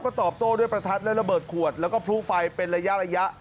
ก็ตอบโต้ด้วยประทัดและระเบิดขวดแล้วก็พลุไฟเป็นระยะ